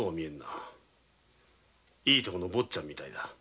いい所の坊ちゃんみたいだな。